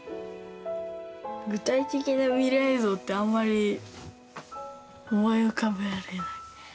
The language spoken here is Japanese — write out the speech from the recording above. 具体的な未来像ってあんまり思い浮かべられない。